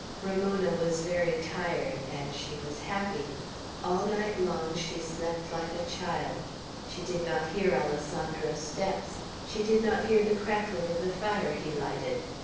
Ramona was very tired, and she was happy. All night long she slept like a child. She did not hear Alessandro's steps. She did not hear the crackling of the fire he lighted.